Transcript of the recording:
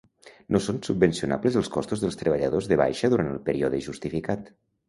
No són subvencionables els costos dels treballadors de baixa durant el període justificat.